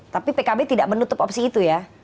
tapi pkb tidak menutup opsi itu ya